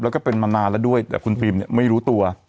แล้วก็เป็นมานานแล้วด้วยแต่คุณฟิล์มเนี่ยไม่รู้ตัว